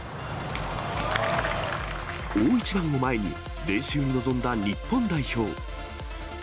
大一番を前に、練習に臨んだ日本代表。